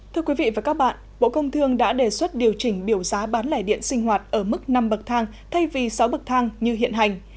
thưa quý vị và các bạn bộ công thương đã đề xuất điều chỉnh biểu giá bán lẻ điện sinh hoạt ở mức năm bậc thang thay vì sáu bậc thang như hiện hành